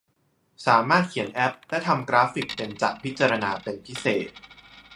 สามารถเขียนแอพและทำกราฟฟิคเป็นจะพิจารณาเป็นพิเศษ